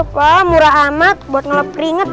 pak murah amat buat ngelop ringet